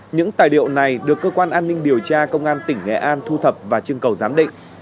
những tài liệu này được cơ quan an ninh điều tra công an tỉnh nghệ an thu thập và trưng cầu giám định